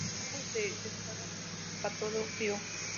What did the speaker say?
Son lámparas de descarga de cátodo frío.